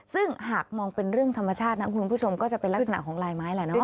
ซึ่งหากมองเป็นเรื่องธรรมชาตินะคุณผู้ชมก็จะเป็นลักษณะของลายไม้แหละเนาะ